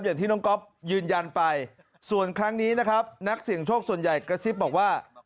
อย่างที่น้องก๊อฟยืนยันไปส่วนครั้งนี้นะครับนักเสี่ยงโชคส่วนใหญ่กระซิบบอกว่า